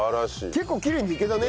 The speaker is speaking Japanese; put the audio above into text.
結構きれいにいけたね